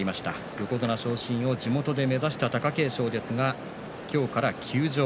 横綱昇進を地元で目指した貴景勝ですが、今日から休場。